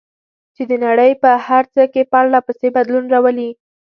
چې د نړۍ په هر څه کې پرله پسې بدلون راولي.